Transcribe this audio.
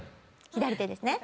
左手ですね。